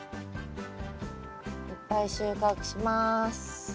いっぱい収穫します。